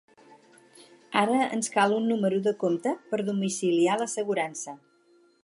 Ara ens cal un número de compte per domiciliar l'assegurança.